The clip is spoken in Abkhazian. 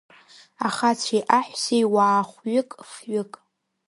Ахацәеи аҳәсеи уаа хәҩык, фҩык.